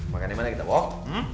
makan yang mana kita wak